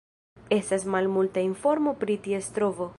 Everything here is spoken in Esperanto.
Estas malmulta informo pri ties trovo.